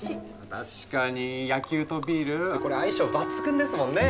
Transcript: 確かに野球とビールこれ相性抜群ですもんね。